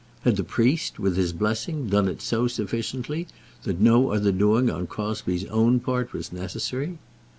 Had the priest, with his blessing, done it so sufficiently that no other doing on Crosbie's own part was necessary?